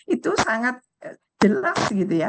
itu sangat jelas gitu ya